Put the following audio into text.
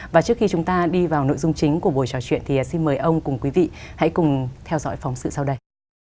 và trước khi chúng ta đi vào nội dung chính của buổi trò chuyện thì xin mời ông cùng quý vị hãy cùng theo dõi phóng sự sau đây